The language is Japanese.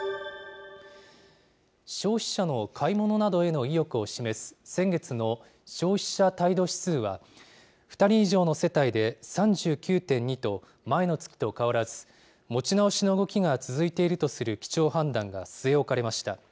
消費者の買い物などへの意欲を示す、先月の消費者態度指数は、２人以上の世帯で３９．２と、前の月と変わらず、持ち直しの動きが続いているとする基調判断が据え置かれました。